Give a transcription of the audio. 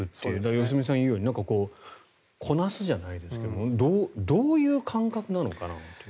良純さんが言うようにこなすじゃないですがどういう感覚なのかなという。